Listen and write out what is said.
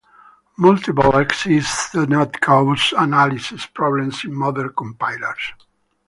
Multiple exits do not cause analysis problems in modern compilers.